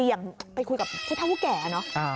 อย่างไปคุยกับผู้เท่าผู้แก่เนอะ